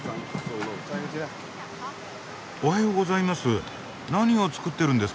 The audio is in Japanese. おはようございます。